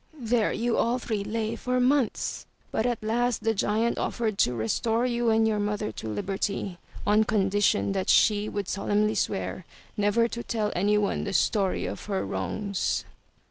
There you all three lay for months, but at last the giant offered to restore you and your mother to liberty on condition that she would solemnly swear never to tell anyone the story of her wrongs.